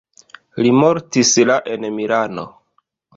Li mortis la en Milano.